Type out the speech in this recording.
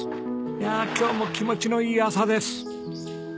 いやあ今日も気持ちのいい朝です。